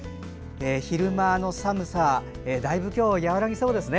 昼間の寒さ、だいぶ今日和らぎそうですね。